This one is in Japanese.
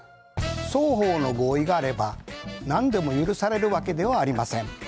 双方の合意があれば何でも許されるわけではありません。